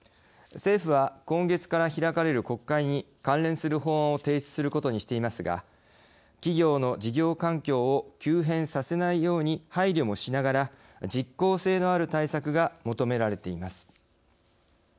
政府は、今月から開かれる国会に関連する法案を提出することにしていますが企業の事業環境を急変させないように配慮もしながら実効性のある対策が求められています。